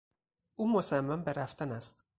او مصمم به رفتن است.